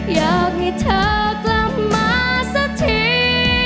อยากให้เธอกลับมาสักที